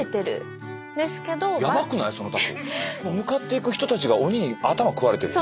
向かっていく人たちが鬼に頭食われてる。